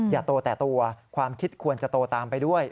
อย่าโตแต่ตัวความคิดควรจะโตตามไปด้วย